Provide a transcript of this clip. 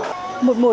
một mùa xuân mới